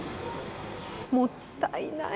もったいない！